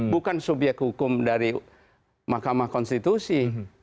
bukan subyek hukum dari mahkamah konstitusi